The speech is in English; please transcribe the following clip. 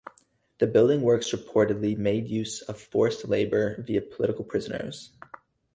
The building works reportedly made use of forced labour via political prisoners.